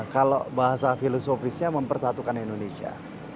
kalau bahasa filosofisnya mempersatukan indonesia